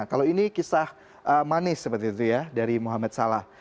kalau ini kisah manis seperti itu ya dari muhammad salah